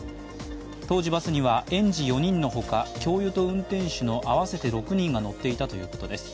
当時バスには園児４人のほか教諭と運転手の合わせて６人が乗っていたということです。